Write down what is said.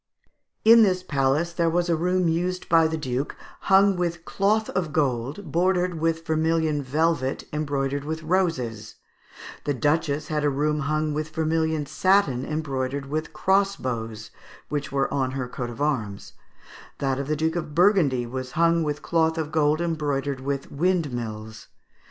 ] In this palace there was a room used by the duke, hung with cloth of gold, bordered with vermilion velvet embroidered with roses; the duchess had a room hung with vermilion satin embroidered with crossbows, which were on her coat of arms; that of the Duke of Burgundy was hung with cloth of gold embroidered with windmills.